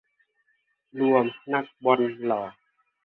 รวมนักบอลหล่อ